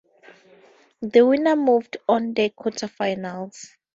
The winners moved on to the quarterfinals.